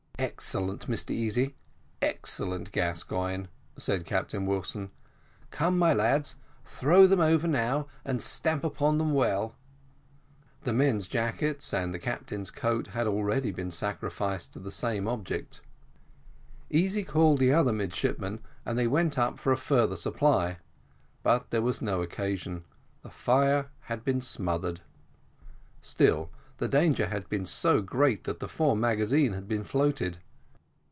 "Excellent, Mr Easy! excellent, Mr Gascoigne;" said Captain Wilson. "Come, my lads, throw them over now, and stamp upon them well;" the men's jackets and the captain's coat had already been sacrificed to the same object. Easy called the other midshipmen, and they went up for a further supply; but there was no occasion, the fire had been smothered: still the danger had been so great that the fore magazine had been floated.